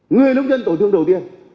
người nông dân tổn thương đầu tiên